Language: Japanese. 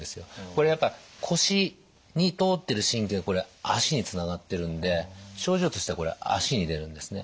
これやっぱ腰に通ってる神経が足につながってるんで症状としては足に出るんですね。